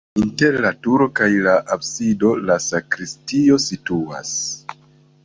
Inter la turo kaj absido la sakristio situas.